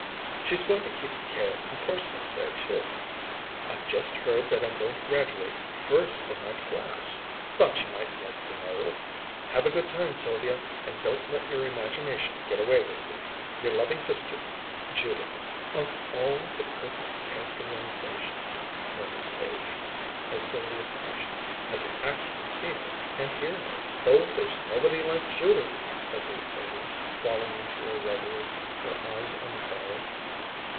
She's going to keep the carrots and parsnips there too. I've just heard that I'm going to graduate first in my class thought you might like to know. Have a good time, Sylvia. And don't let your imagination get away with you. "'Your loving sister, "'JUDITH,'" "Of all the perfect characterizations!" murmured Page, as Sylvia finished. "I can actually see her and hear her!" "Oh, there's nobody like Judith!" agreed Sylvia, falling into a reverie, her eyes on the fire.